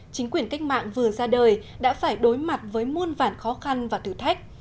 chính quyền cách mạng vừa ra đời đã phải đối mặt với muôn vản khó khăn và thử thách